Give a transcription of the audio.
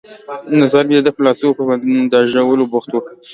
نظر مې د ده پر لاسو وو، په بنداژولو بوخت وو.